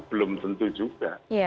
belum tentu juga